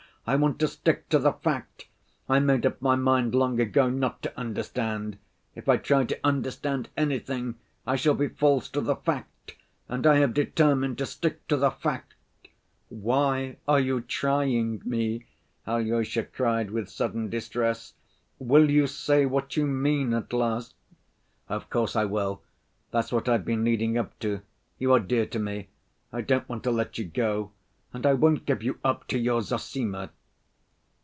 I want to stick to the fact. I made up my mind long ago not to understand. If I try to understand anything, I shall be false to the fact, and I have determined to stick to the fact." "Why are you trying me?" Alyosha cried, with sudden distress. "Will you say what you mean at last?" "Of course, I will; that's what I've been leading up to. You are dear to me, I don't want to let you go, and I won't give you up to your Zossima."